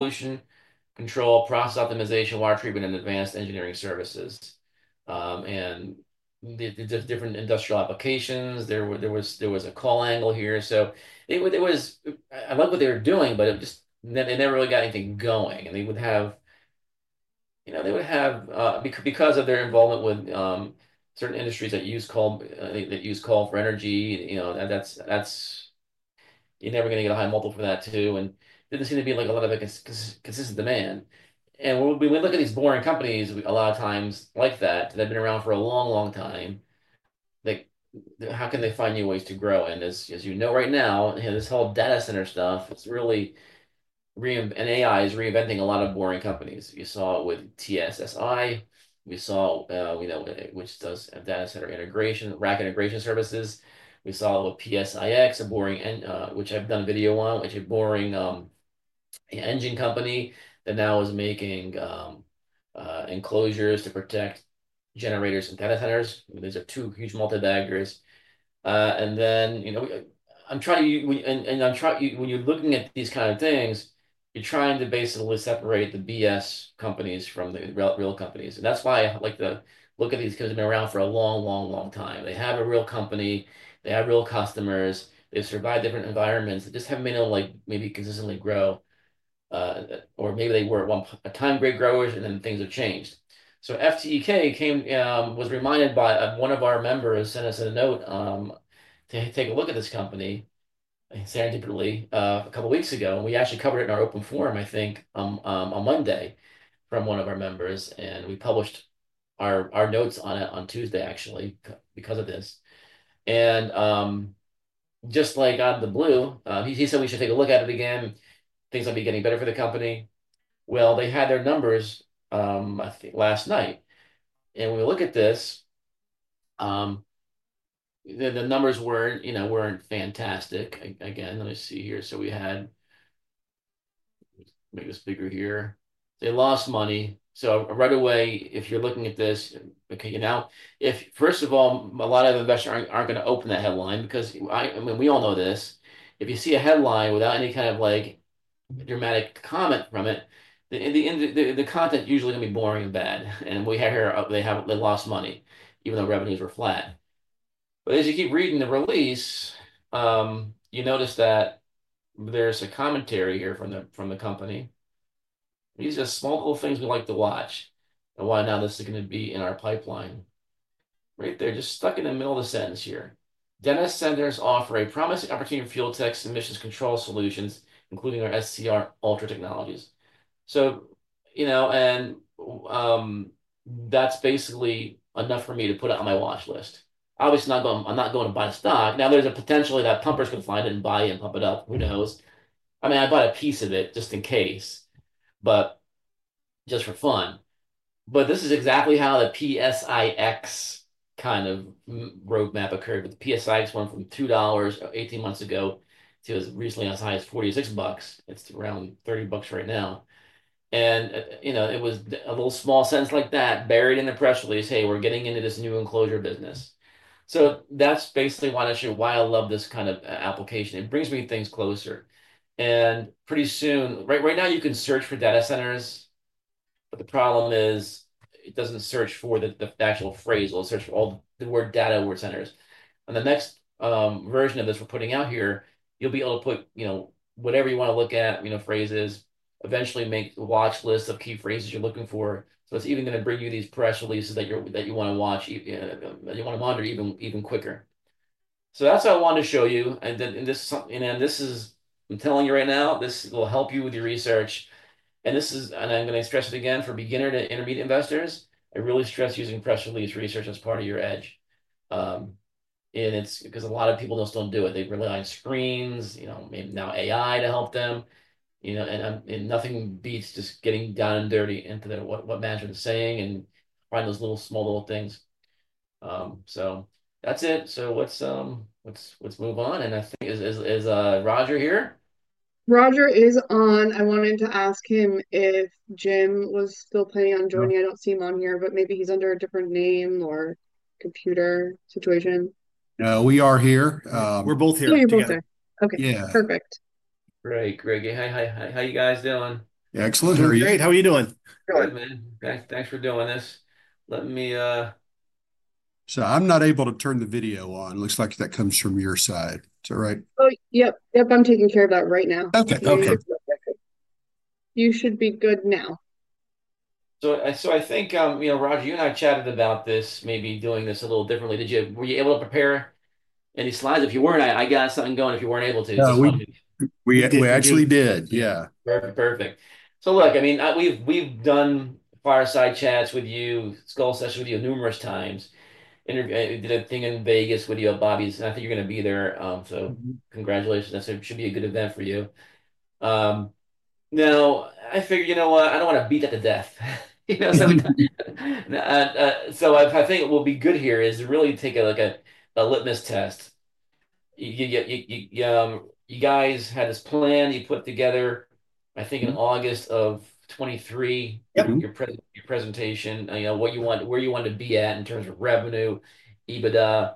Motion control process optimization, water treatment, and advanced engineering services. The different industrial applications, there was a coal angle here. I love what they were doing, but it just, they never really got anything going. They would have, you know, they would have, because of their involvement with certain industries that use coal for energy, you know, that's, you're never going to get a high multiple for that too. It didn't seem to be like a lot of consistent demand. When we look at these boring companies, a lot of times like that, they've been around for a long, long time. How can they find new ways to grow? As you know, right now, this whole data center stuff, it's really, and AI is reinventing a lot of boring companies. You saw it with TSSI. We saw, you know, which does data center integration, rack integration services. We saw with PSIX, a boring, which I've done a video on, which is a boring engine company that now is making enclosures to protect generators and data centers. These are two huge multi-baggers. You know, I'm trying to, and I'm trying, when you're looking at these kinds of things, you're trying to basically separate the BS companies from the real companies. That's why I like to look at these because they've been around for a long, long, long time. They have a real company. They have real customers. They've survived different environments. They just haven't been able to like maybe consistently grow. Or maybe they were at one time great growers, and then things have changed. FTEK came, was reminded by one of our members, sent us a note to take a look at this company, San Diego Lee, a couple of weeks ago. We actually covered it in our open forum, I think, on Monday from one of our members. We published our notes on it on Tuesday, actually, because of this. Just like out of the blue, he said we should take a look at it again. Things might be getting better for the company. They had their numbers, I think, last night. When we look at this, the numbers were not, you know, not fantastic. Again, let me see here. We had, make this bigger here. They lost money. If you're looking at this, okay, now, first of all, a lot of investors aren't going to open that headline because, I mean, we all know this. If you see a headline without any kind of like dramatic comment from it, the content is usually going to be boring and bad. We have here, they lost money, even though revenues were flat. As you keep reading the release, you notice that there's a commentary here from the company. These are the small little things we like to watch. Why now this is going to be in our pipeline. Right there, just stuck in the middle of the sentence here, then it sends us off for a promising opportunity for Fuel Tech's emissions control solutions, including our SCR Ultra technologies. You know, and that's basically enough for me to put it on my watch list. Obviously, I'm not going to buy the stock. Now, there's a potential that pumpers could find it and buy it and pump it up. Who knows? I mean, I bought a piece of it just in case, just for fun. This is exactly how the PSIX kind of roadmap occurred. PSIX went from $2.18 months ago to as recently as high as $46. It's around $30 right now. You know, it was a little small sense like that buried in the press release, "Hey, we're getting into this new enclosure business." That's basically why I love this kind of application. It brings me things closer. Pretty soon, right now you can search for data centers. The problem is it doesn't search for the actual phrase. It'll search for all the word data word centers. On the next version of this we're putting out here, you'll be able to put, you know, whatever you want to look at, you know, phrases, eventually make the watch list of key phrases you're looking for. It's even going to bring you these press releases that you want to watch, that you want to monitor even quicker. That's what I wanted to show you. I'm telling you right now, this will help you with your research. I'm going to stress it again for beginner to intermediate investors. I really stress using press release research as part of your edge. It's because a lot of people just don't do it. They rely on screens, you know, maybe now AI to help them. You know, and nothing beats just getting down and dirty into what management is saying and finding those little small little things. That is it. Let's move on. I think is Roger here? Roger is on. I wanted to ask him if Jim was still planning on joining. I do not see him on here, but maybe he is under a different name or computer situation. We are here. We're both here. Okay. Perfect. Great, hey, how are you guys doing? Excellent. Great. How are you doing? Good, man. Thanks for doing this. Let me. I'm not able to turn the video on. It looks like that comes from your side. Is that right? Oh, yep. Yep. I'm taking care of that right now. Okay. Okay. You should be good now. I think, you know, Roger, you and I chatted about this, maybe doing this a little differently. Were you able to prepare any slides? If you weren't, I got something going if you weren't able to. We actually did. Yeah. Perfect. Perfect. Look, I mean, we've done fireside chats with you, skull sessions with you numerous times. Did a thing in Vegas with you, Bobby. I think you're going to be there. Congratulations. That should be a good event for you. I figured, you know what? I don't want to beat that to death. I think what will be good here is really take a litmus test. You guys had this plan you put together, I think in August of 2023, your presentation, what you want, where you want to be at in terms of revenue, EBITDA,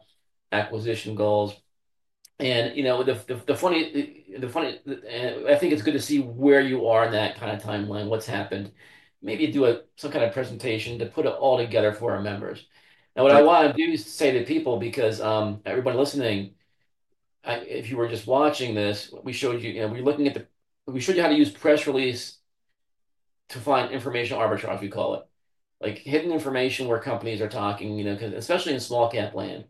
acquisition goals. The funny, I think it's good to see where you are in that kind of timeline, what's happened. Maybe do some kind of presentation to put it all together for our members. Now, what I want to do is say to people, because everybody listening, if you were just watching this, we showed you, we're looking at the, we showed you how to use press release to find information arbitrage, we call it. Like hidden information where companies are talking, you know, because especially in small cap land.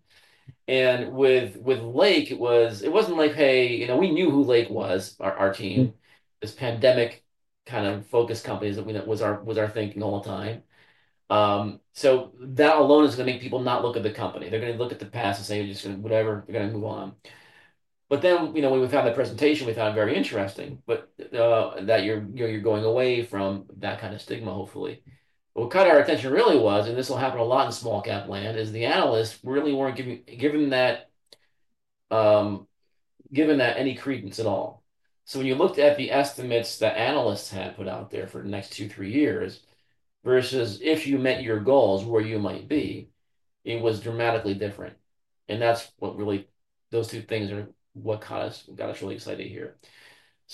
And with Lake, it was, it wasn't like, hey, you know, we knew who Lake was, our team. This pandemic kind of focus companies that was our thinking all the time. So that alone is going to make people not look at the company. They're going to look at the past and say, whatever, they're going to move on. But then, you know, when we found that presentation, we found it very interesting, but that you're going away from that kind of stigma, hopefully. What caught our attention really was, and this will happen a lot in small cap land, the analysts really were not given that, given that any credence at all. When you looked at the estimates that analysts had put out there for the next two, three years versus if you met your goals where you might be, it was dramatically different. That is what really those two things are what got us really excited here.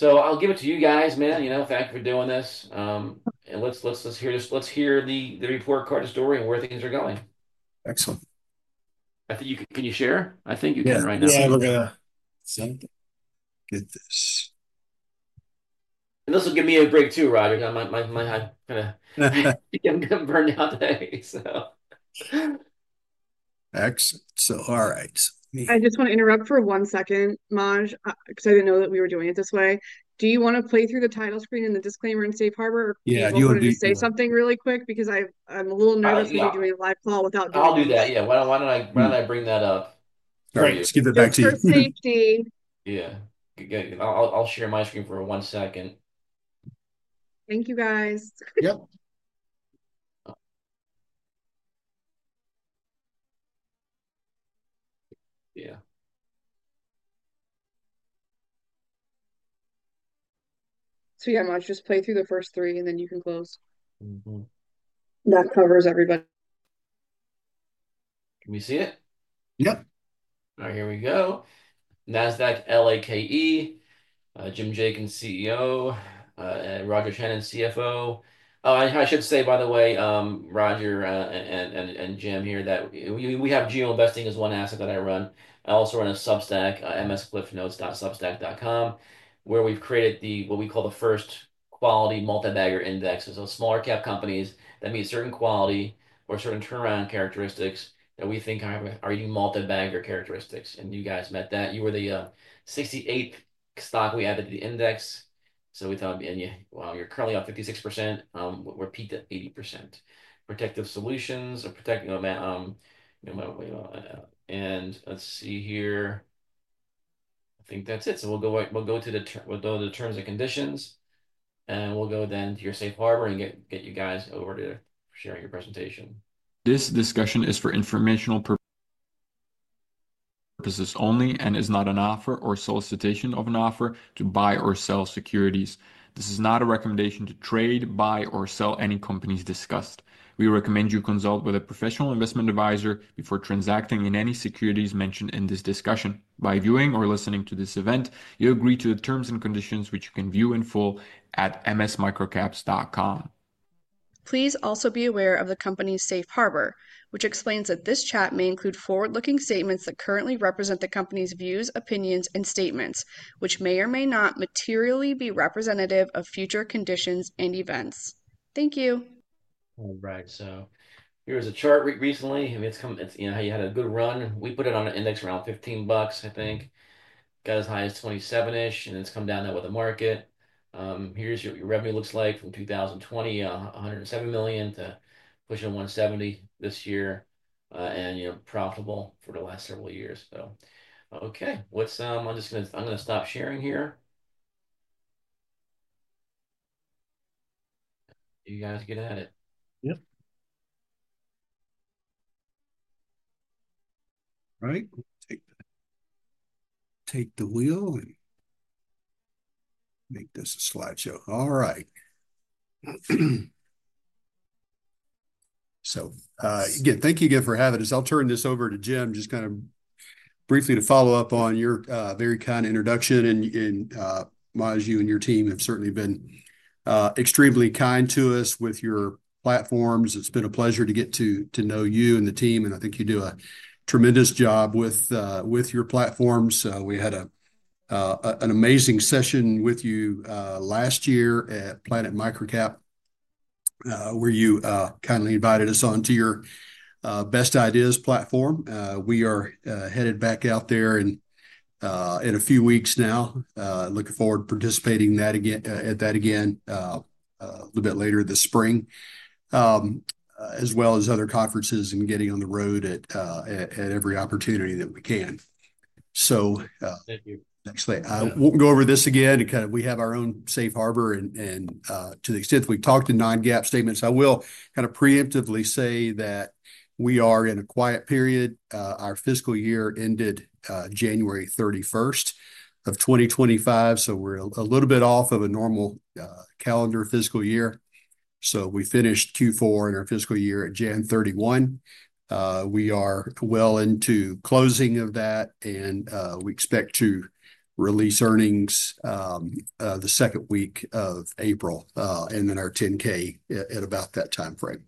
I will give it to you guys, man. You know, thank you for doing this. Let's hear the report card story and where things are going. Excellent. I think you can. Can you share? I think you can right now. Yeah. We're going to get this. This will give me a break too, Roger. My head kind of, I'm going to burn out today. Excellent. All right. I just want to interrupt for one second, Maj, because I didn't know that we were doing it this way. Do you want to play through the title screen and the disclaimer in safe harbor? Yeah. Do you want to do that? Say something really quick because I'm a little nervous to be doing a live call without. I'll do that. Yeah. Why don't I bring that up? All right. Just give it back to you. Safety. Yeah. I'll share my screen for one second. Thank you, guys. Yep. Yeah. Yeah, Maj, just play through the first three and then you can close. That covers everybody. Can we see it? Yep. All right. Here we go. Nasdaq, LAKE, Jim Jenkins, CEO, and Roger Shannon, CFO. Oh, I should say, by the way, Roger and Jim here, that we have GeoInvesting as one asset that I run. I also run a Substack, msmicrocaps.substack.com, where we've created what we call the first quality multi-bagger index. So smaller cap companies that meet certain quality or certain turnaround characteristics that we think are unique multi-bagger characteristics. And you guys met that. You were the 68th stock we added to the index. We thought, well, you're currently on 56%. We'll repeat that 80%. Protective solutions or protecting a man. I think that's it. We will go to the terms and conditions. We will go to your safe harbor and get you guys over to sharing your presentation. This discussion is for informational purposes only and is not an offer or solicitation of an offer to buy or sell securities. This is not a recommendation to trade, buy, or sell any companies discussed. We recommend you consult with a professional investment advisor before transacting in any securities mentioned in this discussion. By viewing or listening to this event, you agree to the terms and conditions, which you can view in full at msmicrocaps.com. Please also be aware of the company's safe harbor, which explains that this chat may include forward-looking statements that currently represent the company's views, opinions, and statements, which may or may not materially be representative of future conditions and events. Thank you. All right. So here's a chart recently. It's come, you know, how you had a good run. We put it on an index around $15, I think. Got as high as $27-ish, and it's come down there with the market. Here's what your revenue looks like from 2020, $107 million to pushing $170 million this year. And, you know, profitable for the last several years. Okay. I'm just going to stop sharing here. You guys get at it. Yep. All right. Take the wheel and make this a slideshow. All right. So, again, thank you again for having us. I'll turn this over to Jim just kind of briefly to follow up on your very kind introduction. Maj, you and your team have certainly been extremely kind to us with your platforms. It's been a pleasure to get to know you and the team. I think you do a tremendous job with your platforms. We had an amazing session with you last year at Planet Microcap, where you kindly invited us onto your best ideas platform. We are headed back out there in a few weeks now. Looking forward to participating at that again a little bit later this spring, as well as other conferences and getting on the road at every opportunity that we can. Thank you. Next thing, I won't go over this again. We have our own safe harbor. To the extent we've talked in non-GAAP statements, I will kind of preemptively say that we are in a quiet period. Our fiscal year ended January 31, 2025. We are a little bit off of a normal calendar fiscal year. We finished Q4 in our fiscal year at January 31. We are well into closing of that. We expect to release earnings the second week of April and then our 10-K at about that timeframe.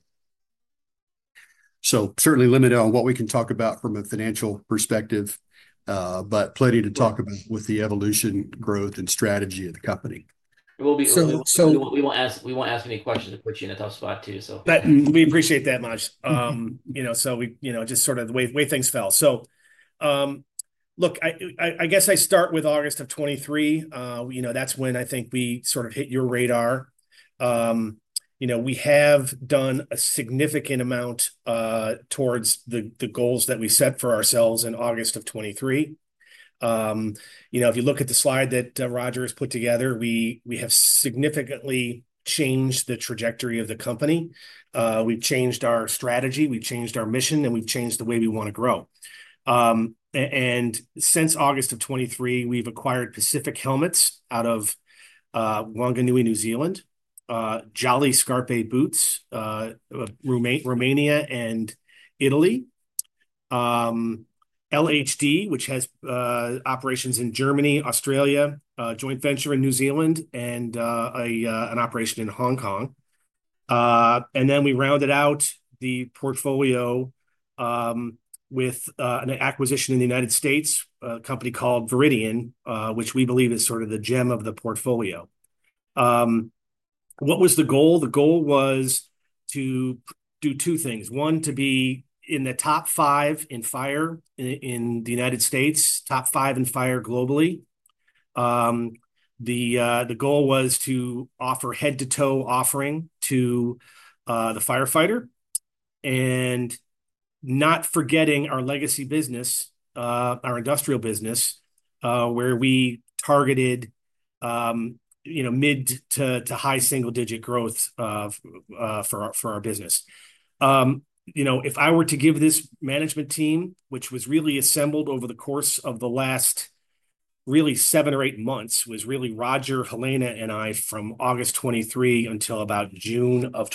Certainly limited on what we can talk about from a financial perspective, but plenty to talk about with the evolution, growth, and strategy of the company. We won't ask any questions that put you in a tough spot, too. We appreciate that, Maj. You know, so we, you know, just sort of the way things felt. Look, I guess I start with August of 2023. You know, that's when I think we sort of hit your radar. You know, we have done a significant amount towards the goals that we set for ourselves in August of 2023. You know, if you look at the slide that Roger has put together, we have significantly changed the trajectory of the company. We've changed our strategy. We've changed our mission, and we've changed the way we want to grow. Since August of 2023, we've acquired Pacific Helmets out of Whanganui, New Zealand, Jolly Scarpe Boots, Romania, and Italy, LHD, which has operations in Germany, Australia, a joint venture in New Zealand, and an operation in Hong Kong. We rounded out the portfolio with an acquisition in the United States, a company called Veridian, which we believe is sort of the gem of the portfolio. What was the goal? The goal was to do two things. One, to be in the top five in fire in the United States, top five in fire globally. The goal was to offer head-to-toe offering to the firefighter and not forgetting our legacy business, our industrial business, where we targeted, you know, mid to high single-digit growth for our business. You know, if I were to give this management team, which was really assembled over the course of the last really seven or eight months, it was really Roger, Helena, and I from August 2023 until about June of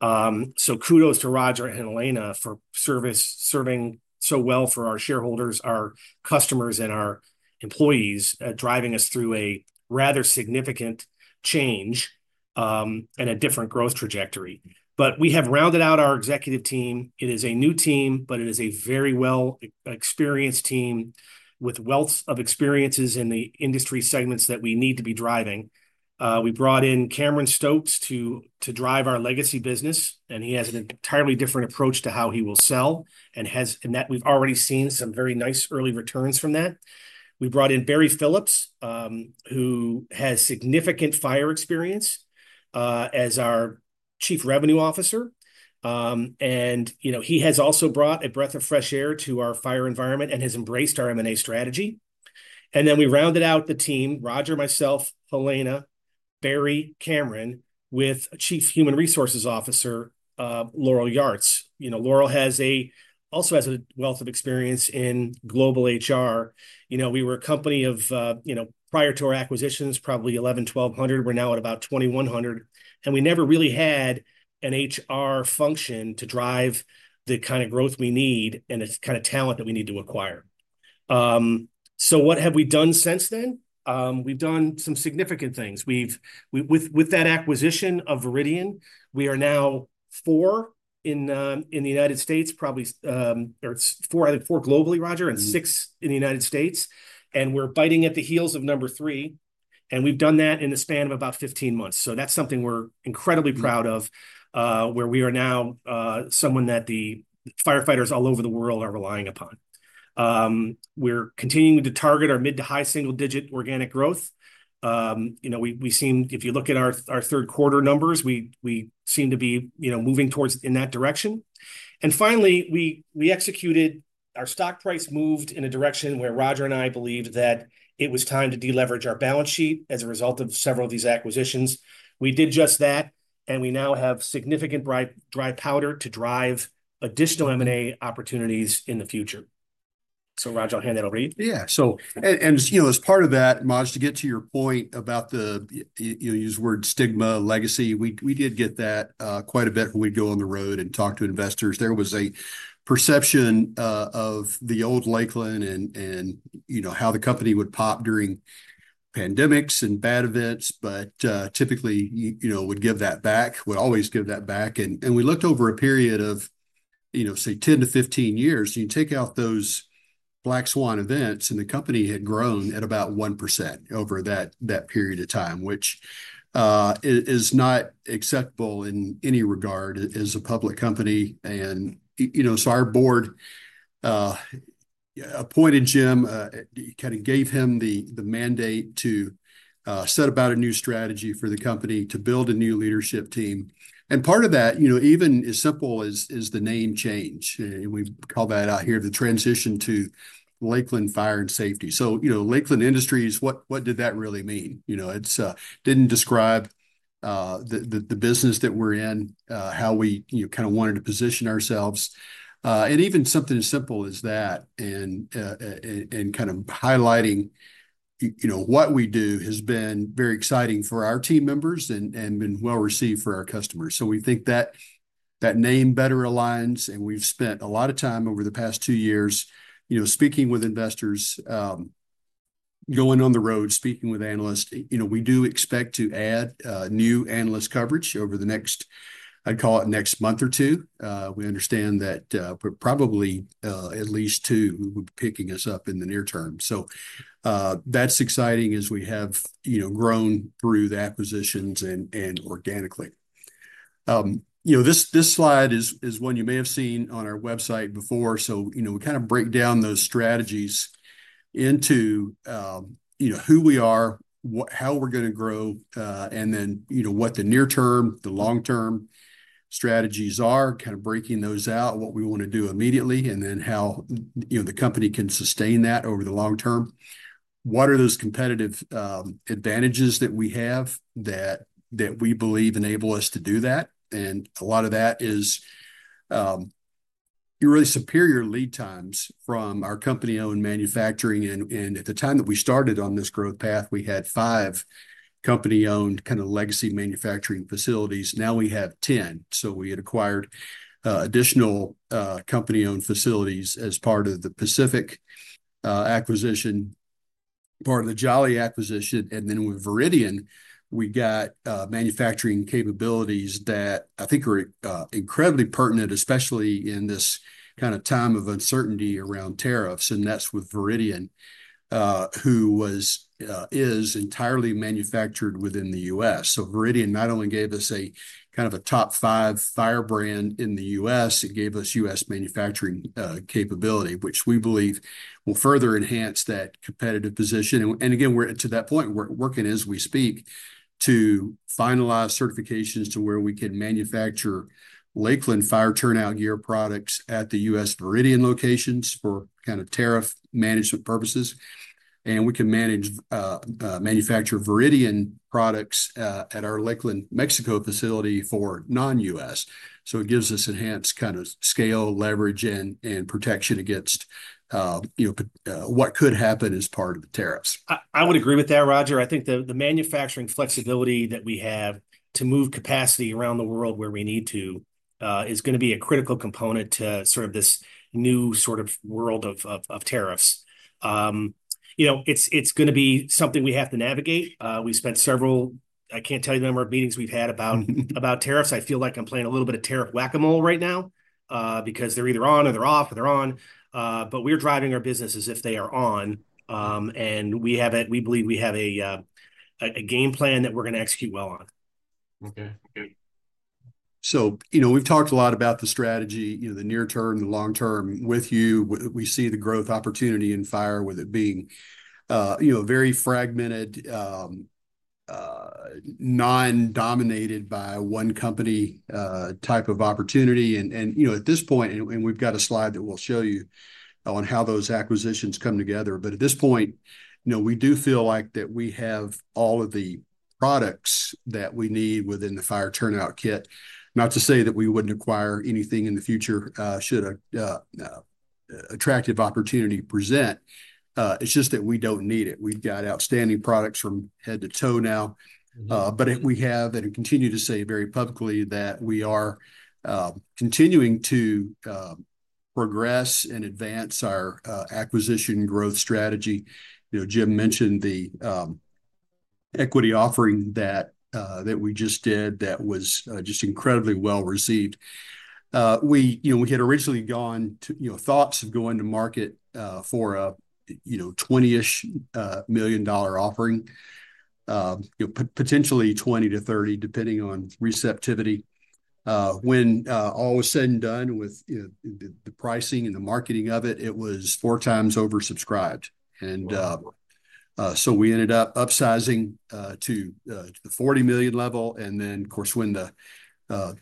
2024. Kudos to Roger and Helena for serving so well for our shareholders, our customers, and our employees, driving us through a rather significant change and a different growth trajectory. We have rounded out our executive team. It is a new team, but it is a very well-experienced team with a wealth of experiences in the industry segments that we need to be driving. We brought in Cameron Stokes to drive our legacy business, and he has an entirely different approach to how he will sell. We have already seen some very nice early returns from that. We brought in Barry Phillips, who has significant fire experience as our Chief Revenue Officer. You know, he has also brought a breath of fresh air to our fire environment and has embraced our M&A strategy. Then we rounded out the team, Roger, myself, Helena, Barry, Cameron, with a Chief Human Resources Officer, Laurel Yartz. You know, Laurel also has a wealth of experience in global HR. You know, we were a company of, you know, prior to our acquisitions, probably 1,100, 1,200. We're now at about 2,100. We never really had an HR function to drive the kind of growth we need and the kind of talent that we need to acquire. What have we done since then? We've done some significant things. With that acquisition of Veridian, we are now four in the United States, probably four globally, Roger, and six in the United States. We're biting at the heels of number three. We've done that in the span of about 15 months. That is something we're incredibly proud of, where we are now someone that the firefighters all over the world are relying upon. We're continuing to target our mid to high single-digit organic growth. You know, we seem, if you look at our third quarter numbers, we seem to be, you know, moving towards in that direction. Finally, we executed, our stock price moved in a direction where Roger and I believed that it was time to deleverage our balance sheet as a result of several of these acquisitions. We did just that, and we now have significant dry powder to drive additional M&A opportunities in the future. Roger, I'll hand that over to you. Yeah. And you know, as part of that, Maj, to get to your point about the, you know, you use the word stigma, legacy, we did get that quite a bit when we go on the road and talk to investors. There was a perception of the old Lakeland and, you know, how the company would pop during pandemics and bad events, but typically, you know, would give that back, would always give that back. We looked over a period of, you know, say 10 to 15 years, you take out those black swan events, and the company had grown at about 1% over that period of time, which is not acceptable in any regard as a public company. You know, so our board appointed Jim, kind of gave him the mandate to set about a new strategy for the company to build a new leadership team. Part of that, you know, even as simple as the name change, and we call that out here, the transition to Lakeland Fire and Safety. You know, Lakeland Industries, what did that really mean? You know, it did not describe the business that we are in, how we, you know, kind of wanted to position ourselves. Even something as simple as that and kind of highlighting, you know, what we do has been very exciting for our team members and been well received for our customers. We think that name better aligns. We have spent a lot of time over the past two years, you know, speaking with investors, going on the road, speaking with analysts. You know, we do expect to add new analyst coverage over the next, I would call it next month or two. We understand that probably at least two will be picking us up in the near term. That's exciting as we have, you know, grown through the acquisitions and organically. You know, this slide is one you may have seen on our website before. You know, we kind of break down those strategies into, you know, who we are, how we're going to grow, and then, you know, what the near-term, the long-term strategies are, kind of breaking those out, what we want to do immediately, and then how, you know, the company can sustain that over the long term. What are those competitive advantages that we have that we believe enable us to do that? A lot of that is really superior lead times from our company-owned manufacturing. At the time that we started on this growth path, we had five company-owned kind of legacy manufacturing facilities. Now we have 10. We had acquired additional company-owned facilities as part of the Pacific acquisition, part of the Jolly acquisition. With Veridian, we got manufacturing capabilities that I think are incredibly pertinent, especially in this kind of time of uncertainty around tariffs. That is with Veridian, who is entirely manufactured within the U.S. Veridian not only gave us a kind of a top five fire brand in the U.S., it gave us U.S. manufacturing capability, which we believe will further enhance that competitive position. To that point, we're working as we speak to finalize certifications to where we can manufacture Lakeland fire turnout gear products at the U.S. Veridian locations for kind of tariff management purposes. We can manufacture Veridian products at our Lakeland, Mexico facility for non-U.S. It gives us enhanced kind of scale, leverage, and protection against, you know, what could happen as part of the tariffs. I would agree with that, Roger. I think the manufacturing flexibility that we have to move capacity around the world where we need to is going to be a critical component to sort of this new sort of world of tariffs. You know, it's going to be something we have to navigate. We spent several, I can't tell you the number of meetings we've had about tariffs. I feel like I'm playing a little bit of tariff whack-a-mole right now because they're either on or they're off or they're on. We are driving our business as if they are on. We believe we have a game plan that we're going to execute well on. Okay. Good. You know, we've talked a lot about the strategy, you know, the near-term, the long-term with you. We see the growth opportunity in Fire with it being, you know, very fragmented, non-dominated by one company type of opportunity. You know, at this point, and we've got a slide that we'll show you on how those acquisitions come together. At this point, you know, we do feel like that we have all of the products that we need within the fire turnout kit. Not to say that we wouldn't acquire anything in the future should an attractive opportunity present. It's just that we don't need it. We've got outstanding products from head to toe now. We have and continue to say very publicly that we are continuing to progress and advance our acquisition growth strategy. You know, Jim mentioned the equity offering that we just did that was just incredibly well received. We, you know, we had originally gone, you know, thoughts of going to market for a, you know, $20 million-ish offering, you know, potentially $20 million-$30 million, depending on receptivity. When all was said and done with the pricing and the marketing of it, it was four times oversubscribed. We ended up upsizing to the $40 million level. Of course, when the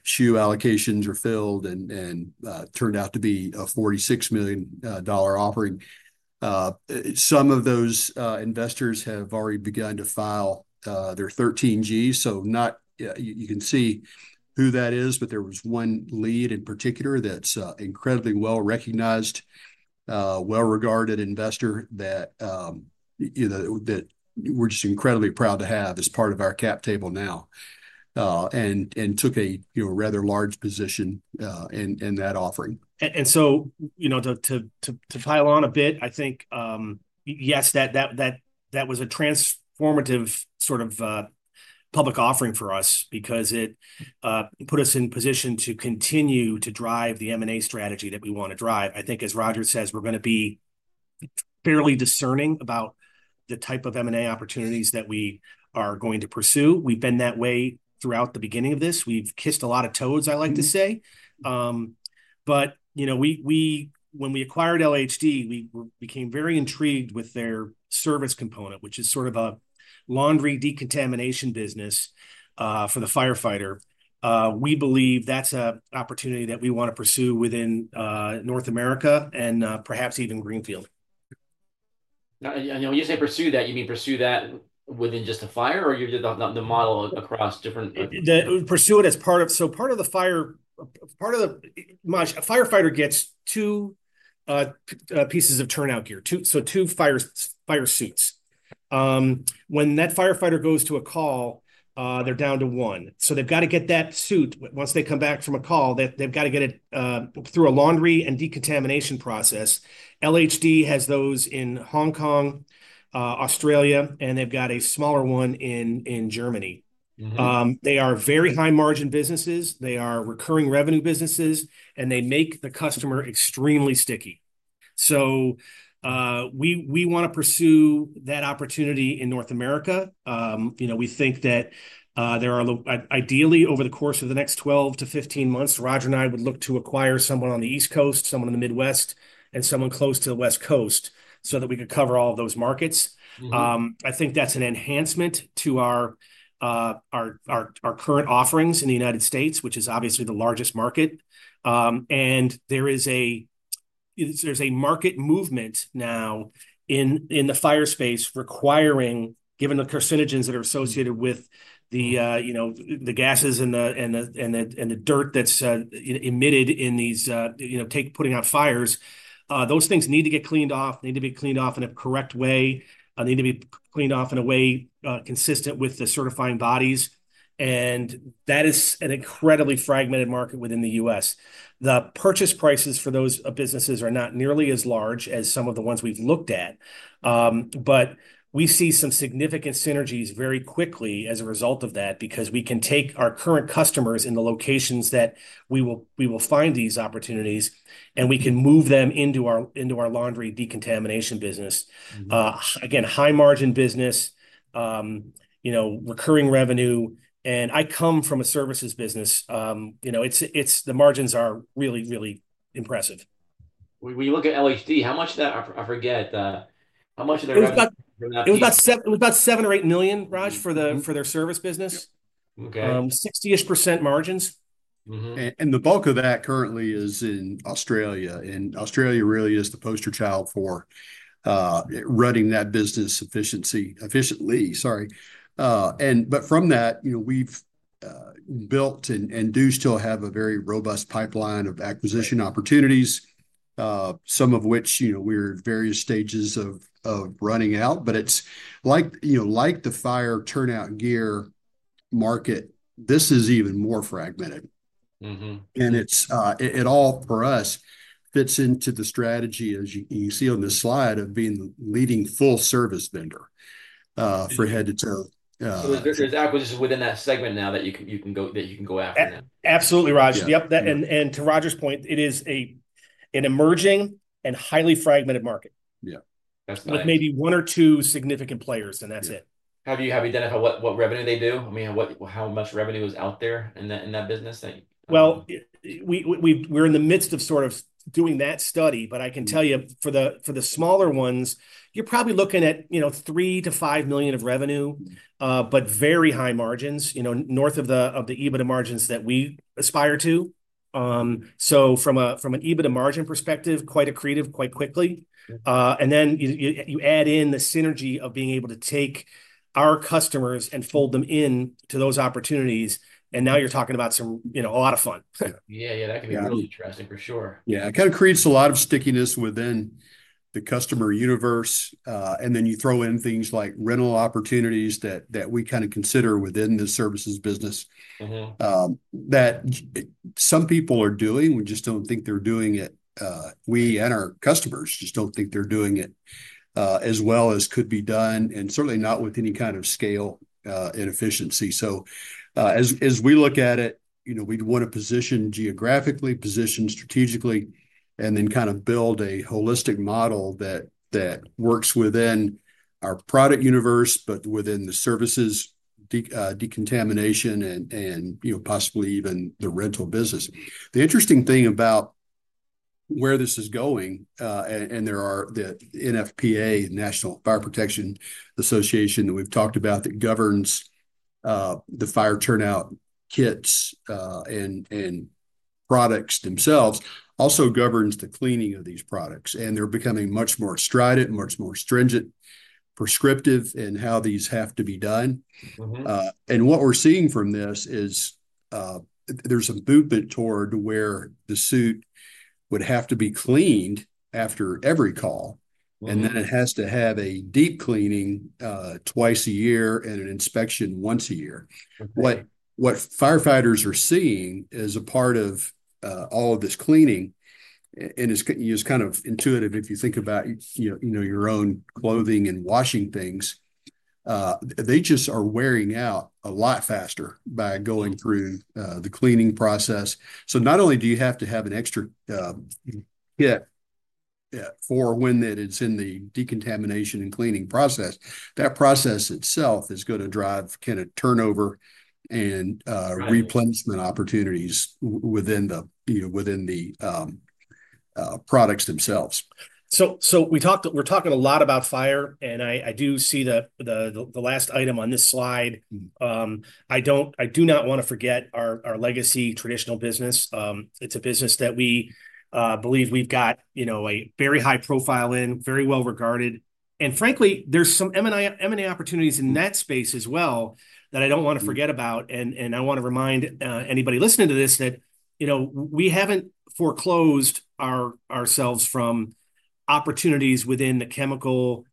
shoe allocations were filled, it turned out to be a $46 million offering. Some of those investors have already begun to file their 13Gs. You can see who that is, but there was one lead in particular that's incredibly well recognized, well-regarded investor that, you know, that we're just incredibly proud to have as part of our cap table now and took a, you know, rather large position in that offering. You know, to pile on a bit, I think, yes, that was a transformative sort of public offering for us because it put us in position to continue to drive the M&A strategy that we want to drive. I think, as Roger says, we're going to be fairly discerning about the type of M&A opportunities that we are going to pursue. We've been that way throughout the beginning of this. We've kissed a lot of toes, I like to say. You know, when we acquired LHD, we became very intrigued with their service component, which is sort of a laundry decontamination business for the firefighter. We believe that's an opportunity that we want to pursue within North America and perhaps even Greenfield. When you say pursue that, you mean pursue that within just a fire or the model across different? Pursue it as part of, so part of the fire, part of the firefighter gets two pieces of turnout gear, so two fire suits. When that firefighter goes to a call, they're down to one. They've got to get that suit once they come back from a call, they've got to get it through a laundry and decontamination process. LHD has those in Hong Kong, Australia, and they've got a smaller one in Germany. They are very high-margin businesses. They are recurring revenue businesses, and they make the customer extremely sticky. We want to pursue that opportunity in North America. You know, we think that there are, ideally, over the course of the next 12 to 15 months, Roger and I would look to acquire someone on the East Coast, someone in the Midwest, and someone close to the West Coast so that we could cover all of those markets. I think that's an enhancement to our current offerings in the United States, which is obviously the largest market. There is a market movement now in the fire space requiring, given the carcinogens that are associated with the, you know, the gases and the dirt that's emitted in these, you know, putting out fires, those things need to get cleaned off, need to be cleaned off in a correct way, need to be cleaned off in a way consistent with the certifying bodies. That is an incredibly fragmented market within the U.S. The purchase prices for those businesses are not nearly as large as some of the ones we've looked at. We see some significant synergies very quickly as a result of that because we can take our current customers in the locations that we will find these opportunities, and we can move them into our laundry decontamination business. Again, high-margin business, you know, recurring revenue. I come from a services business. You know, the margins are really, really impressive. When you look at LHD, how much of that, I forget, how much of their revenue? It was about $7 million or $8 million, Rog, for their service business. 60% margins. The bulk of that currently is in Australia. Australia really is the poster child for running that business efficiently, sorry. From that, you know, we've built and do still have a very robust pipeline of acquisition opportunities, some of which, you know, we're in various stages of running out. It's like, you know, like the fire turnout gear market, this is even more fragmented. It all, for us, fits into the strategy, as you see on this slide, of being the leading full-service vendor for head to toe. There are acquisitions within that segment now that you can go after. Absolutely, Rog. Yep. To Roger's point, it is an emerging and highly fragmented market. Yeah. With maybe one or two significant players, and that's it. Have you identified what revenue they do? I mean, how much revenue is out there in that business? We're in the midst of sort of doing that study, but I can tell you for the smaller ones, you're probably looking at, you know, $3 million-$5 million of revenue, but very high margins, you know, north of the EBITDA margins that we aspire to. From an EBITDA margin perspective, quite accretive quite quickly. You add in the synergy of being able to take our customers and fold them into those opportunities. Now you're talking about some, you know, a lot of fun. Yeah, yeah. That can be really interesting for sure. Yeah. It kind of creates a lot of stickiness within the customer universe. Then you throw in things like rental opportunities that we kind of consider within the services business that some people are doing. We just do not think they are doing it. We and our customers just do not think they are doing it as well as could be done, and certainly not with any kind of scale and efficiency. As we look at it, you know, we would want to position geographically, position strategically, and then kind of build a holistic model that works within our product universe, but within the services, decontamination, and, you know, possibly even the rental business. The interesting thing about where this is going, and there are the NFPA, National Fire Protection Association, that we have talked about, that governs the fire turnout kits and products themselves, also governs the cleaning of these products. They are becoming much more strident, much more stringent, prescriptive in how these have to be done. What we are seeing from this is there is a movement toward where the suit would have to be cleaned after every call, and then it has to have a deep cleaning twice a year and an inspection once a year. What firefighters are seeing as a part of all of this cleaning, and it is kind of intuitive if you think about, you know, your own clothing and washing things, they just are wearing out a lot faster by going through the cleaning process. Not only do you have to have an extra kit for when it is in the decontamination and cleaning process, that process itself is going to drive kind of turnover and replacement opportunities within the products themselves. We're talking a lot about Fire, and I do see the last item on this slide. I do not want to forget our legacy traditional business. It's a business that we believe we've got, you know, a very high profile in, very well regarded. Frankly, there's some M&A opportunities in that space as well that I don't want to forget about. I want to remind anybody listening to this that, you know, we haven't foreclosed ourselves from opportunities within the chemical,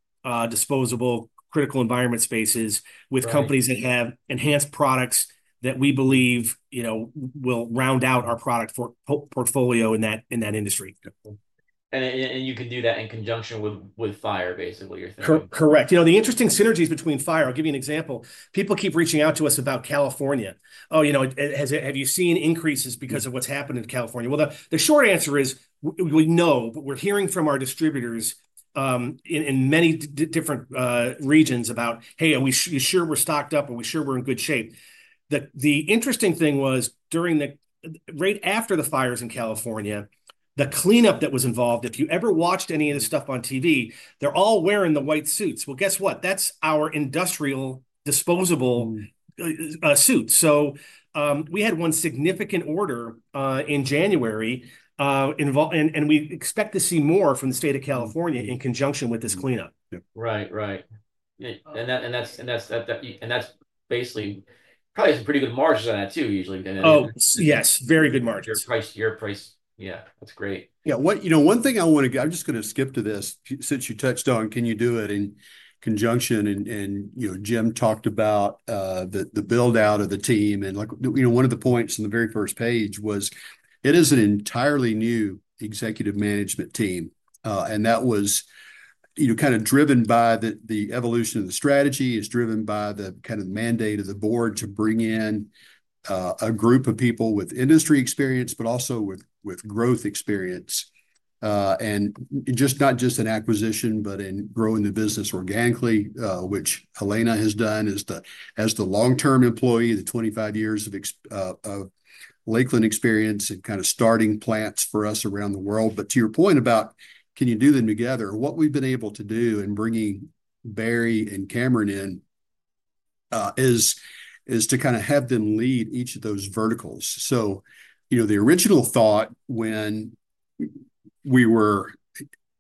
disposable, critical environment spaces with companies that have enhanced products that we believe, you know, will round out our product portfolio in that industry. You can do that in conjunction with Fire, basically, you're thinking. Correct. You know, the interesting synergies between fire, I'll give you an example. People keep reaching out to us about California. Oh, you know, have you seen increases because of what's happened in California? The short answer is we know, but we're hearing from our distributors in many different regions about, hey, are we sure we're stocked up? Are we sure we're in good shape? The interesting thing was during the right after the fires in California, the cleanup that was involved, if you ever watched any of this stuff on TV, they're all wearing the white suits. You know, that's our industrial disposable suit. We had one significant order in January, and we expect to see more from the state of California in conjunction with this cleanup. Right, right. That basically probably has a pretty good margin on that too, usually. Oh, yes. Very good margin. Your price, yeah. That's great. Yeah. You know, one thing I want to get, I'm just going to skip to this. Since you touched on, can you do it in conjunction? You know, Jim talked about the buildout of the team. You know, one of the points in the very first page was it is an entirely new executive management team. That was, you know, kind of driven by the evolution of the strategy, is driven by the kind of mandate of the board to bring in a group of people with industry experience, but also with growth experience. Just not just in acquisition, but in growing the business organically, which Helena has done as the long-term employee, the 25 years of Lakeland experience and kind of starting plants for us around the world. To your point about can you do them together, what we've been able to do in bringing Barry and Cameron in is to kind of have them lead each of those verticals. You know, the original thought when we were,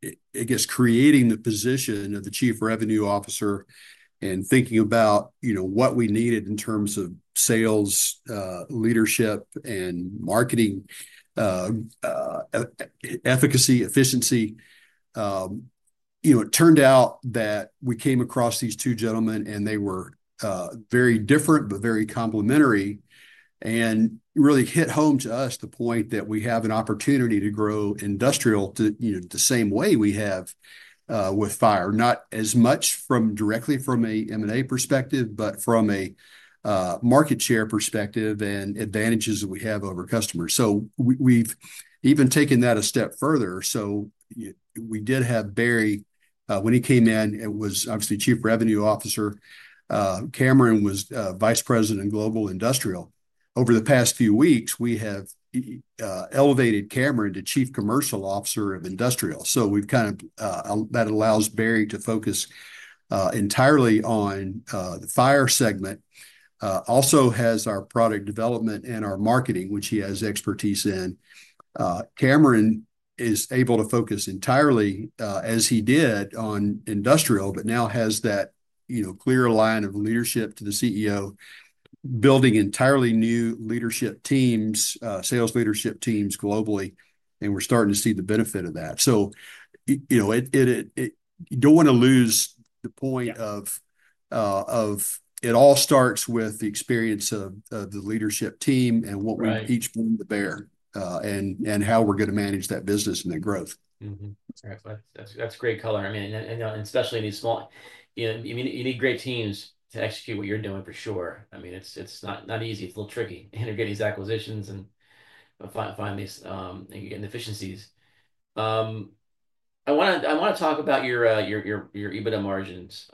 I guess, creating the position of the Chief Revenue Officer and thinking about, you know, what we needed in terms of sales leadership and marketing efficacy, efficiency, you know, it turned out that we came across these two gentlemen, and they were very different, but very complementary, and really hit home to us the point that we have an opportunity to grow industrial to, you know, the same way we have with fire, not as much directly from an M&A perspective, but from a market share perspective and advantages that we have over customers. We've even taken that a step further. We did have Barry when he came in, it was obviously Chief Revenue Officer. Cameron was Vice President of Global Industrial. Over the past few weeks, we have elevated Cameron to Chief Commercial Officer of Industrial. We have kind of, that allows Barry to focus entirely on the Fire segment. Also has our Product Development and our Marketing, which he has expertise in. Cameron is able to focus entirely, as he did, on Industrial, but now has that, you know, clear line of leadership to the CEO, building entirely new leadership teams, sales leadership teams globally. We are starting to see the benefit of that. You know, you do not want to lose the point of it all starts with the experience of the leadership team and what we each bring to bear and how we are going to manage that business and that growth. That's great color. I mean, and especially in these small, you need great teams to execute what you're doing for sure. I mean, it's not easy. It's a little tricky integrating these acquisitions and finding these efficiencies. I want to talk about your EBITDA margins.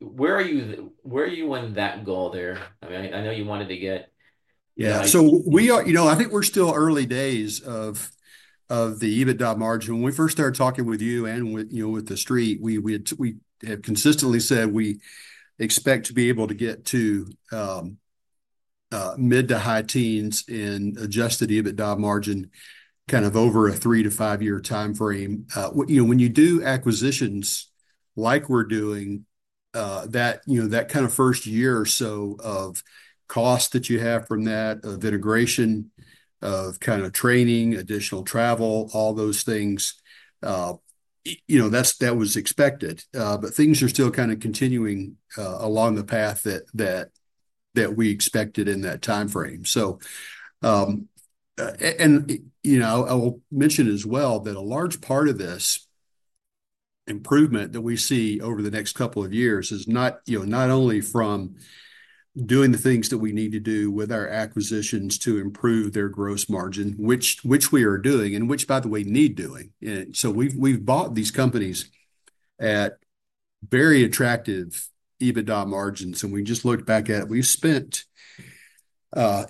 Where are you in that goal there? I mean, I know you wanted to get. Yeah. So we are, you know, I think we're still early days of the EBITDA margin. When we first started talking with you and with, you know, with the street, we had consistently said we expect to be able to get to mid to high teens in adjusted EBITDA margin kind of over a three to five-year time frame. You know, when you do acquisitions like we're doing, that, you know, that kind of first year or so of cost that you have from that, of integration, of kind of training, additional travel, all those things, you know, that was expected. Things are still kind of continuing along the path that we expected in that time frame. You know, I will mention as well that a large part of this improvement that we see over the next couple of years is not, you know, not only from doing the things that we need to do with our acquisitions to improve their gross margin, which we are doing, and which, by the way, need doing. We have bought these companies at very attractive EBITDA margins. We just looked back at it. We spent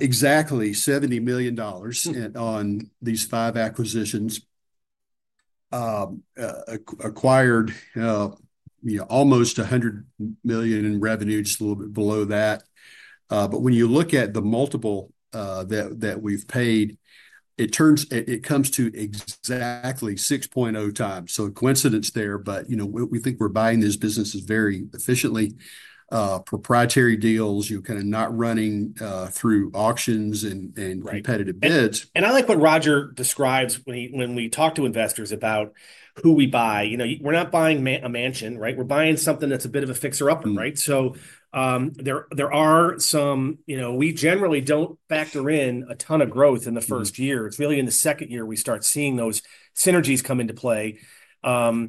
exactly $70 million on these five acquisitions, acquired, you know, almost $100 million in revenue, just a little bit below that. When you look at the multiple that we've paid, it comes to exactly 6.0 times. Coincidence there, but, you know, we think we're buying these businesses very efficiently, proprietary deals, you know, kind of not running through auctions and competitive bids. I like what Roger describes when we talk to investors about who we buy. You know, we're not buying a mansion, right? We're buying something that's a bit of a fixer-upper, right? There are some, you know, we generally don't factor in a ton of growth in the first year. It's really in the second year we start seeing those synergies come into play. You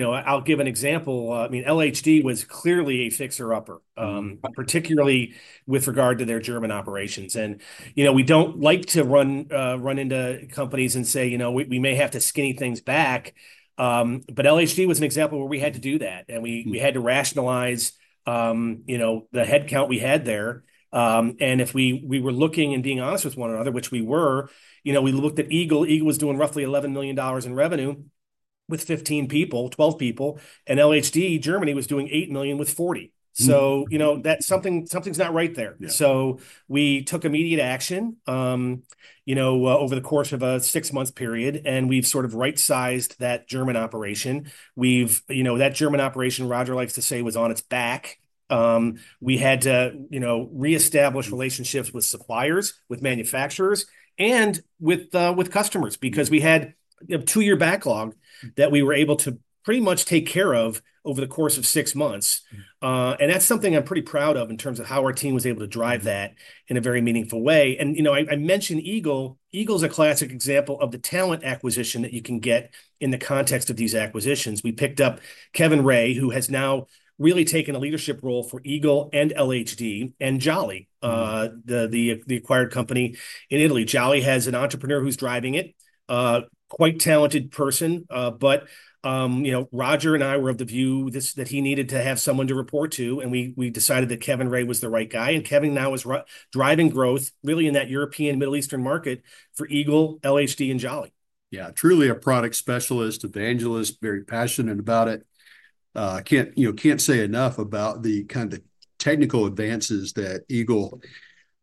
know, I'll give an example. I mean, LHD was clearly a fixer-upper, particularly with regard to their German operations. You know, we don't like to run into companies and say, you know, we may have to skinny things back. LHD was an example where we had to do that. We had to rationalize, you know, the headcount we had there. If we were looking and being honest with one another, which we were, you know, we looked at Eagle. Eagle was doing roughly $11 million in revenue with 15 people, 12 people. LHD, Germany, was doing $8 million with 40. You know, something's not right there. We took immediate action, you know, over the course of a six-month period, and we've sort of right-sized that German operation. You know, that German operation, Roger likes to say, was on its back. We had to, you know, reestablish relationships with suppliers, with manufacturers, and with customers because we had a two-year backlog that we were able to pretty much take care of over the course of six months. That's something I'm pretty proud of in terms of how our team was able to drive that in a very meaningful way. You know, I mentioned Eagle. Eagle is a classic example of the talent acquisition that you can get in the context of these acquisitions. We picked up Kevin Ray, who has now really taken a leadership role for Eagle and LHD, and Jolly, the acquired company in Italy. Jolly has an entrepreneur who's driving it, quite talented person. You know, Roger and I were of the view that he needed to have someone to report to, and we decided that Kevin Ray was the right guy. Kevin now is driving growth really in that European Middle Eastern market for Eagle, LHD, and Jolly. Yeah, truly a product specialist, evangelist, very passionate about it. I can't say enough about the kind of technical advances that Eagle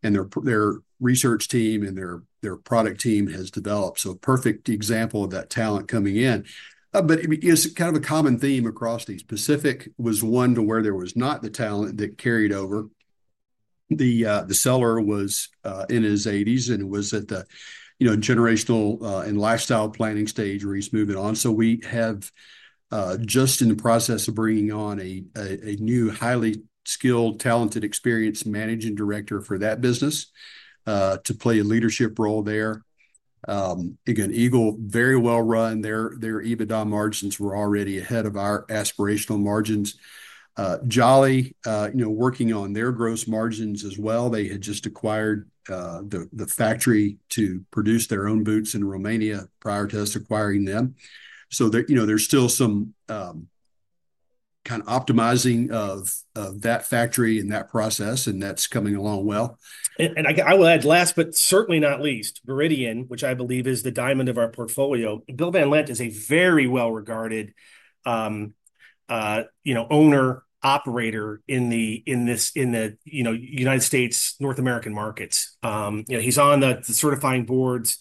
and their research team and their product team has developed. A perfect example of that talent coming in. It's kind of a common theme across the Pacific was one to where there was not the talent that carried over. The seller was in his 80s and was at the, you know, generational and lifestyle planning stage where he's moving on. We have just in the process of bringing on a new highly skilled, talented, experienced managing director for that business to play a leadership role there. Again, Eagle very well run. Their EBITDA margins were already ahead of our aspirational margins. Jolly, you know, working on their gross margins as well. They had just acquired the factory to produce their own boots in Romania prior to us acquiring them. There, you know, there's still some kind of optimizing of that factory and that process, and that's coming along well. I will add last, but certainly not least, Veridian, which I believe is the diamond of our portfolio. Bill Van Lent is a very well-regarded, you know, owner, operator in the, you know, United States, North American markets. You know, he's on the certifying boards.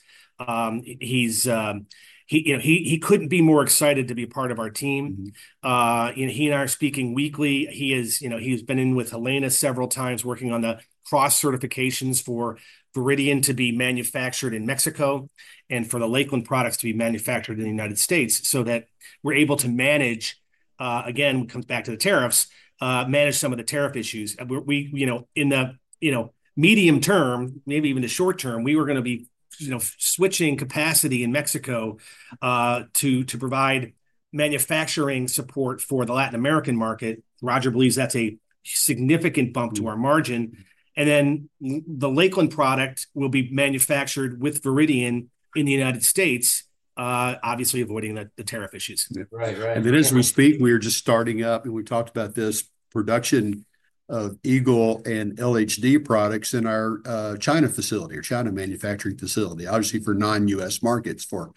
He's, you know, he couldn't be more excited to be a part of our team. You know, he and I are speaking weekly. He has, you know, he has been in with Helena several times working on the cross certifications for Veridian to be manufactured in Mexico and for the Lakeland products to be manufactured in the United States so that we're able to manage, again, it comes back to the tariffs, manage some of the tariff issues. We, you know, in the, you know, medium term, maybe even the short term, we were going to be, you know, switching capacity in Mexico to provide manufacturing support for the Latin American market. Roger believes that's a significant bump to our margin. The Lakeland product will be manufactured with Veridian in the United States, obviously avoiding the tariff issues. Right, right. As we speak, we are just starting up, and we talked about this production of Eagle and LHD products in our China facility or China manufacturing facility, obviously for non-U.S. markets, for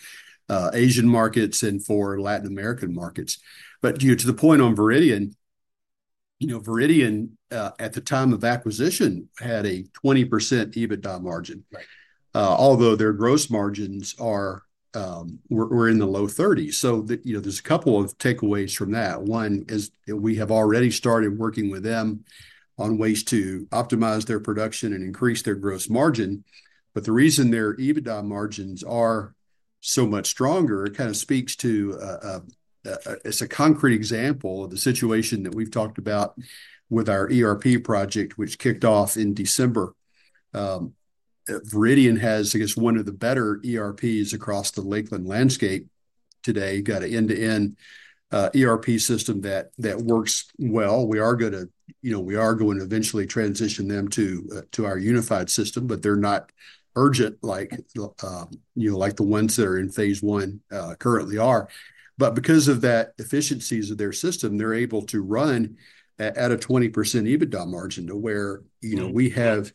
Asian markets, and for Latin American markets. You know, to the point on Veridian, you know, Veridian at the time of acquisition had a 20% EBITDA margin, although their gross margins were in the low 30s. You know, there are a couple of takeaways from that. One is we have already started working with them on ways to optimize their production and increase their gross margin. The reason their EBITDA margins are so much stronger kind of speaks to, it is a concrete example of the situation that we have talked about with our ERP project, which kicked off in December. Veridian has, I guess, one of the better ERPs across the Lakeland landscape today. Got an end-to-end ERP system that works well. We are going to, you know, we are going to eventually transition them to our unified system, but they're not urgent like, you know, like the ones that are in phase one currently are. Because of that efficiencies of their system, they're able to run at a 20% EBITDA margin to where, you know, we have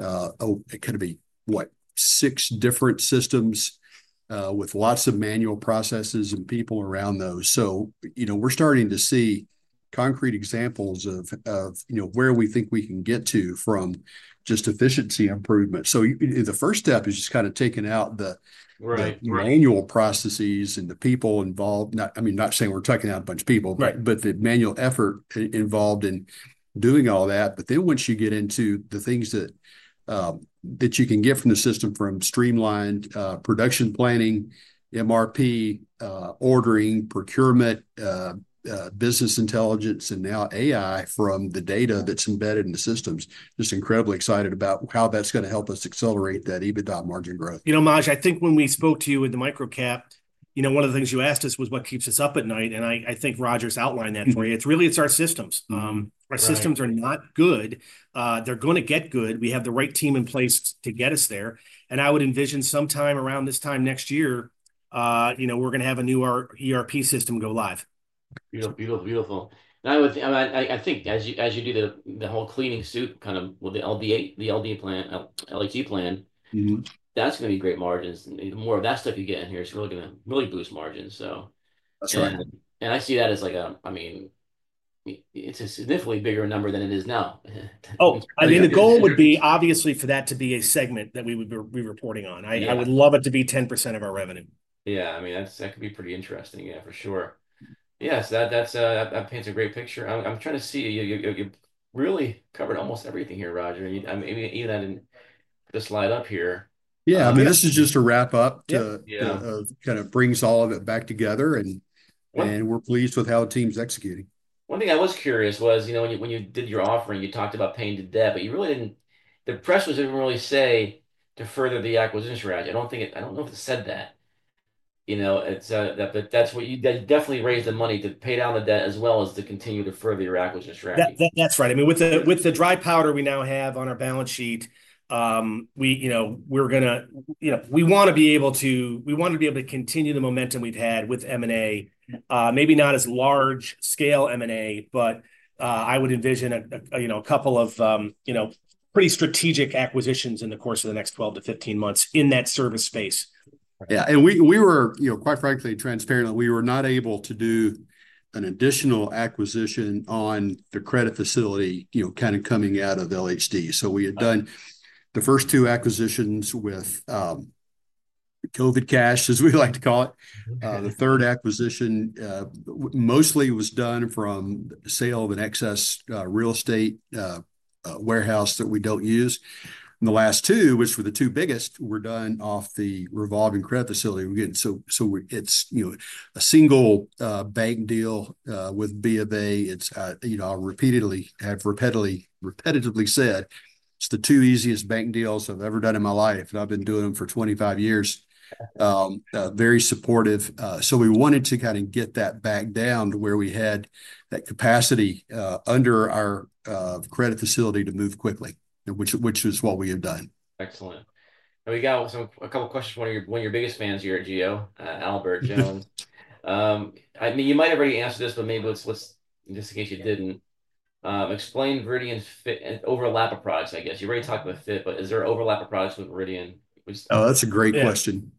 kind of a, what, six different systems with lots of manual processes and people around those. You know, we're starting to see concrete examples of, you know, where we think we can get to from just efficiency improvement. The first step is just kind of taking out the manual processes and the people involved. I mean, not saying we're talking out a bunch of people, but the manual effort involved in doing all that. Once you get into the things that you can get from the system, from streamlined production planning, MRP, ordering, procurement, business intelligence, and now AI from the data that's embedded in the systems, just incredibly excited about how that's going to help us accelerate that EBITDA margin growth. You know, Maj, I think when we spoke to you with the microcap, you know, one of the things you asked us was what keeps us up at night. I think Roger's outlined that for you. It's really, it's our systems. Our systems are not good. They're going to get good. We have the right team in place to get us there. I would envision sometime around this time next year, you know, we're going to have a new ERP system go live. Beautiful, beautiful. I think as you do the whole cleaning suit kind of with the LHD plan, that's going to be great margins. The more of that stuff you get in here is really going to really boost margins. I see that as like a, I mean, it's a significantly bigger number than it is now. Oh, I mean, the goal would be obviously for that to be a segment that we would be reporting on. I would love it to be 10% of our revenue. Yeah. I mean, that could be pretty interesting. Yeah, for sure. Yes, that paints a great picture. I'm trying to see, you really covered almost everything here, Roger. I mean, even the slide up here. Yeah. I mean, this is just a wrap-up to kind of bring all of it back together. We're pleased with how the team's executing. One thing I was curious was, you know, when you did your offering, you talked about paying the debt, but you really did not, the press was not really saying to further the acquisition strategy. I do not think it, I do not know if it said that. You know, that is what you definitely raised the money to pay down the debt as well as to continue to further your acquisition strategy. That's right. I mean, with the dry powder we now have on our balance sheet, we, you know, we're going to, you know, we want to be able to, we want to be able to continue the momentum we've had with M&A, maybe not as large scale M&A, but I would envision, you know, a couple of, you know, pretty strategic acquisitions in the course of the next 12 to 15 months in that service space. Yeah. We were, you know, quite frankly, transparently, we were not able to do an additional acquisition on the credit facility, you know, kind of coming out of LHD. We had done the first two acquisitions with COVID cash, as we like to call it. The third acquisition mostly was done from the sale of an excess real estate warehouse that we do not use. The last two, which were the two biggest, were done off the revolving credit facility. It is, you know, a single bank deal with BofA. I have repeatedly said, it is the two easiest bank deals I have ever done in my life. I have been doing them for 25 years. Very supportive. We wanted to kind of get that back down to where we had that capacity under our credit facility to move quickly, which is what we have done. Excellent. We got a couple of questions from one of your biggest fans here at Geo, Albert Jones. I mean, you might have already answered this, but maybe let's, just in case you didn't, explain Veridian's overlap of products, I guess. You already talked about FIT, but is there an overlap of products with Veridian? Oh, that's a great question.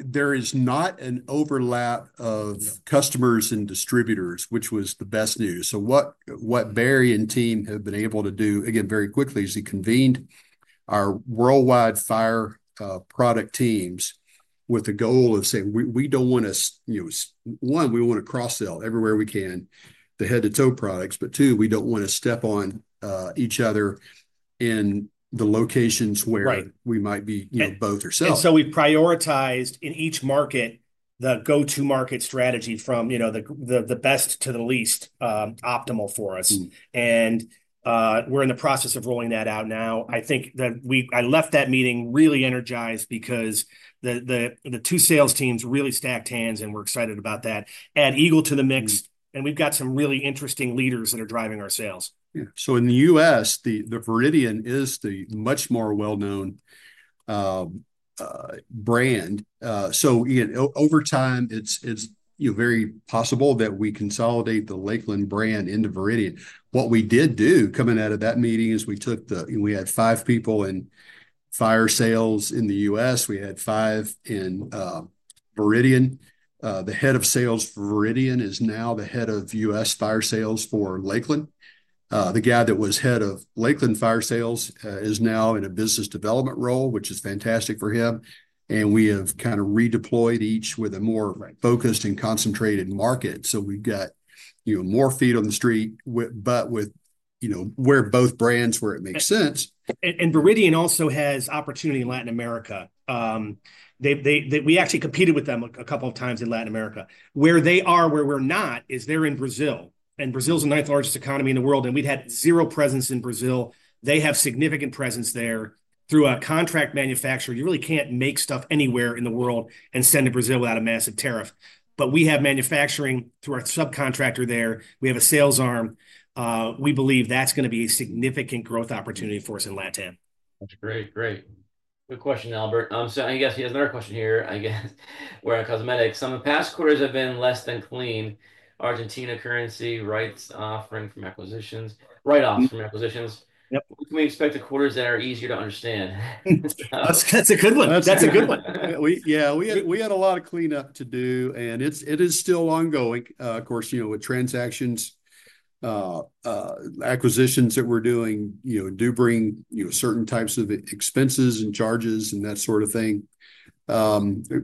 There is not an overlap of customers and distributors, which was the best news. What Barry and team have been able to do, again, very quickly is they convened our worldwide fire product teams with the goal of saying, we don't want to, you know, one, we want to cross-sell everywhere we can, the head-to-toe products. Two, we don't want to step on each other in the locations where we might be, you know, both ourselves. We prioritized in each market the go-to market strategy from, you know, the best to the least optimal for us. We are in the process of rolling that out now. I think that we, I left that meeting really energized because the two sales teams really stacked hands and we are excited about that. Add Eagle to the mix. We have some really interesting leaders that are driving our sales. Yeah. In the U.S., Veridian is the much more well-known brand. Over time, it's, you know, very possible that we consolidate the Lakeland brand into Veridian. What we did do coming out of that meeting is we took the, we had five people in fire sales in the U.S. We had five in Veridian. The Head of Sales for Veridian is now the Head of U.S. Fire Sales for Lakeland. The guy that was Head of Lakeland Fire Sales is now in a business development role, which is fantastic for him. We have kind of redeployed each with a more focused and concentrated market. We've got, you know, more feet on the street, but with, you know, both brands where it makes sense. Veridian also has opportunity in Latin America. We actually competed with them a couple of times in Latin America. Where they are, where we're not is they're in Brazil. And Brazil is the ninth largest economy in the world. We have had zero presence in Brazil. They have significant presence there through a contract manufacturer. You really can't make stuff anywhere in the world and send to Brazil without a massive tariff. We have manufacturing through our subcontractor there. We have a sales arm. We believe that's going to be a significant growth opportunity for us in LatAm. That's great. Great. Good question, Albert. I guess he has another question here, I guess, wearing cosmetics. In the past quarters have been less than clean. Argentina currency writes offering from acquisitions, write-offs from acquisitions. What can we expect to quarters that are easier to understand? That's a good one. That's a good one. Yeah. We had a lot of cleanup to do. It is still ongoing. Of course, you know, with transactions, acquisitions that we're doing, you know, do bring, you know, certain types of expenses and charges and that sort of thing.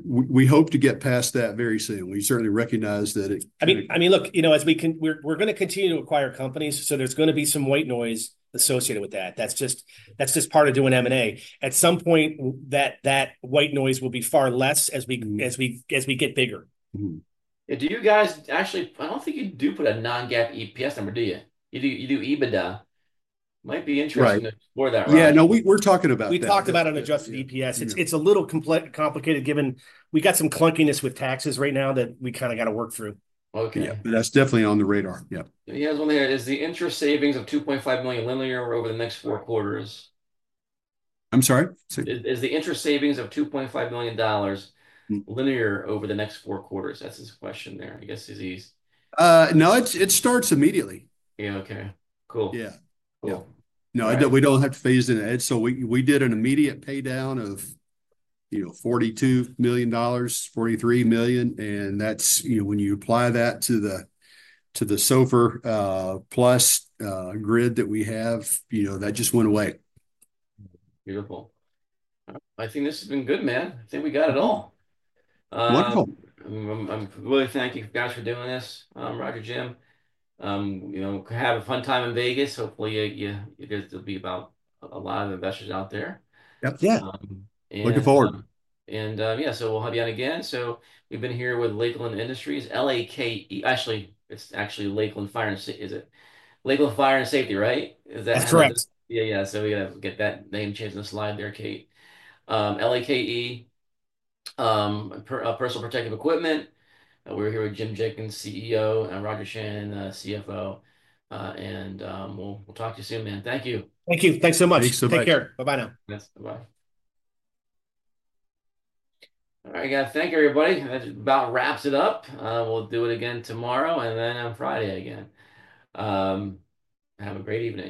We hope to get past that very soon. We certainly recognize that it. I mean, look, you know, as we can, we're going to continue to acquire companies. There is going to be some white noise associated with that. That is just part of doing M&A. At some point, that white noise will be far less as we get bigger. Do you guys actually, I don't think you do put a non-GAAP EPS number, do you? You do EBITDA. Might be interesting to explore that. Yeah. No, we're talking about that. We talked about an adjusted EPS. It's a little complicated given we got some clunkiness with taxes right now that we kind of got to work through. Okay. That's definitely on the radar. Yeah. He has one here. Is the interest savings of $2.5 million linear over the next four quarters? I'm sorry? Is the interest savings of $2.5 million linear over the next four quarters? That's his question there. I guess it's easy. No, it starts immediately. Yeah. Okay. Cool. Yeah. Cool. No, we don't have to phase in it. We did an immediate paydown of, you know, $42 million, $43 million. And that's, you know, when you apply that to the SOFR plus grid that we have, you know, that just went away. Beautiful. I think this has been good, man. I think we got it all. Wonderful. I'm really thanking you guys for doing this, Roger, Jim. You know, have a fun time in Vegas. Hopefully, there'll be a lot of investors out there. Yeah. Yeah. Looking forward. Yeah, we'll have you on again. We've been here with Lakeland Industries, LAKE. Actually, it's actually Lakeland Fire and Safety, is it? Lakeland Fire and Safety, right? That's correct. Yeah. Yeah. We got to get that name changed on the slide there, Kate. LAKE, personal protective equipment. We're here with Jim Jenkins, CEO, and Roger Shannon, CFO. We'll talk to you soon, man. Thank you. Thank you. Thanks so much. Thanks so much. Take care. Bye-bye now. Yes. Bye-bye. All right, guys. Thank you, everybody. That about wraps it up. We'll do it again tomorrow and then on Friday again. Have a great evening.